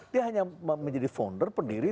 dia hanya menjadi founder pendiri